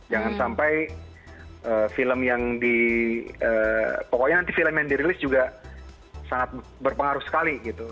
jangan sampai film yang di pokoknya nanti film yang dirilis juga sangat berpengaruh sekali gitu